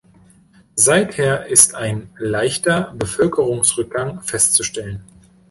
Seither ist ein leichter Bevölkerungsrückgang festzustellen.